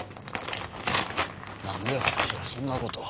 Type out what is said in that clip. なんで私がそんな事を。